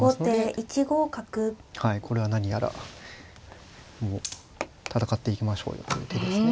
これは何やらもう戦っていきましょうよという手ですね。